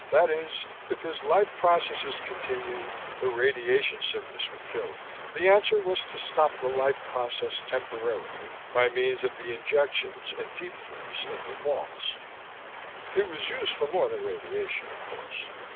That is, if his life processes continued, the radiation sickness would kill him. The answer was to stop the life process, temporarily, by means of the injections and deep freeze in the vaults. It was used for more than radiation, of course.